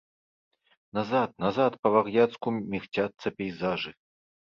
Назад, назад па-вар'яцку мігцяцца пейзажы.